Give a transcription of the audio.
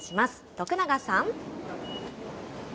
徳永さん。